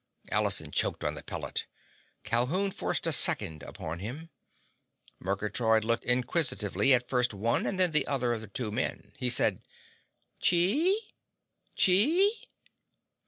Allison choked upon the pellet. Calhoun forced a second upon him. Murgatroyd looked inquisitively at first one and then the other of the two men. He said: "Chee? Chee?"